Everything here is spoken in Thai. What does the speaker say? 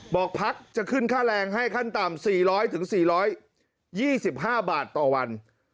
พักจะขึ้นค่าแรงให้ขั้นต่ำ๔๐๐๔๒๕บาทต่อวัน